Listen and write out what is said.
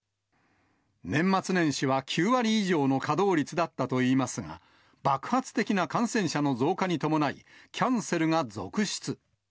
年末年始は９割以上の稼働率だったといいますが、爆発的な感染者の増加に伴い、キャンセルが続出。